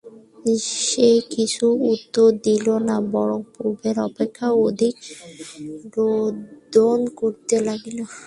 সে কিছুই উত্তর দিল না বরং পূর্ব অপেক্ষায় অধিক রোদন করিতে লাগিল।